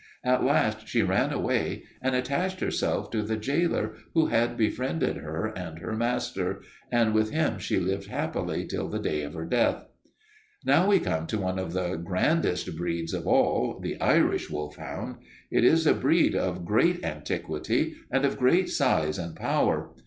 At last she ran away and attached herself to the jailer who had befriended her and her master, and with him she lived happily till the day of her death. "Now we come to one of the grandest breeds of all the Irish wolfhound. It is a breed of great antiquity and of great size and power.